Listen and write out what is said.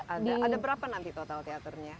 ada berapa nanti total teaternya